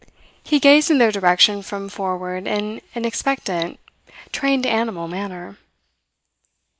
He gazed in their direction from forward in an expectant, trained animal manner.